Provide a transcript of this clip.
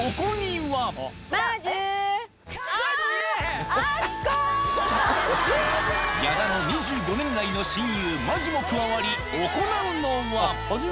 はーい、矢田の２５年来の親友、真珠も加わり、行うのは。